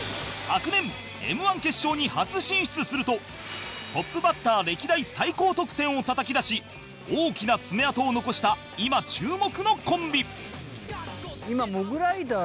昨年 Ｍ−１ 決勝に初進出するとトップバッター歴代最高得点をたたき出し大きな爪痕を残した今注目のコンビ